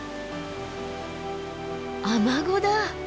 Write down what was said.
アマゴだ。